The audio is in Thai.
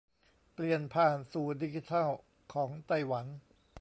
เปลี่ยนผ่านสู่ดิจิทัลของไต้หวัน